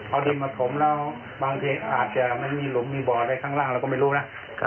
เอาดินมาถมแล้วบางทีอาจจะไม่มีหลุมมีบ่ออะไรข้างล่างเราก็ไม่รู้นะ